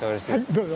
どうぞ。